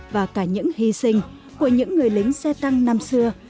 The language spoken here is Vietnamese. và cả những hy sinh của những người lính xe tăng năm xưa